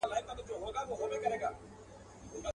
تا ته چي درځمه له اغیار سره مي نه لګي.